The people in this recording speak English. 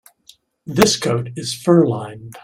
This coat is fur-lined.